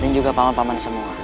dan juga paman paman semua